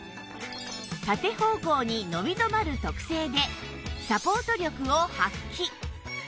縦方向に伸び止まる特性でサポート力を発揮